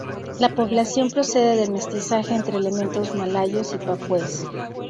La población procede del mestizaje entre elementos malayos y papúes.